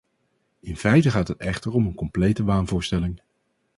In feite gaat het echter om een complete waanvoorstelling.